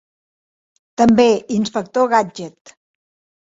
També, inspector Gadget.